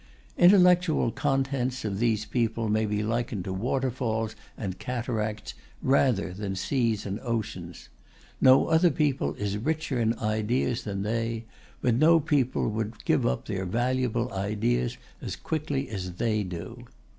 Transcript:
Intellectual contents of these people may be likened to waterfalls and cataracts, rather than seas and oceans. No other people is richer in ideas than they; but no people would give up their valuable ideas as quickly as they do....